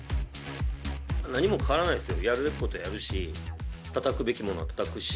何も変わらないですよ、やるべきことはやるし、たたくべきものはたたくし。